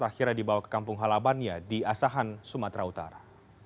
akhirnya dibawa ke kampung halamannya di asahan sumatera utara